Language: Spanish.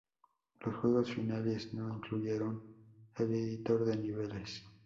Los juegos finales no incluyeron el editor de niveles.